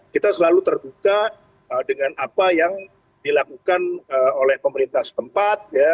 kita selalu terbuka dengan apa yang dilakukan oleh pemerintah setempat